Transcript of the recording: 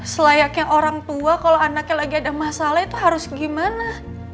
selayaknya orang tua kalau anaknya lagi ada masalah itu harus gimana